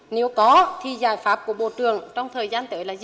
nếu có thì giải pháp của bộ trưởng trong thời gian tới là gì